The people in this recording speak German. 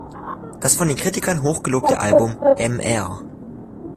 Das von den Kritikern hochgelobte Album "Mr.